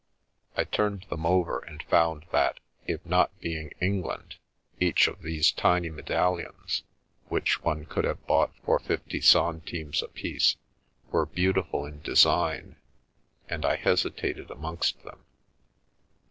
I turned them over and found that, it not being England, each of these tiny medallions, which one could have bought for fifty centimes apiece, were beautiful in design, and I hesitated amongst them.